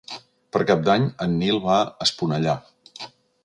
Per Cap d'Any en Nil va a Esponellà.